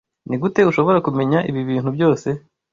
Nigute ushobora kumenya ibi bintu byose?